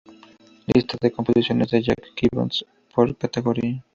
Lista de composiciones de Jack Gibbons por categoría